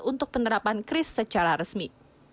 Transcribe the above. untuk penerapan kris secara resmi